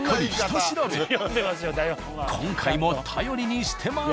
今回も頼りにしてます。